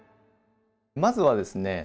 まずはですね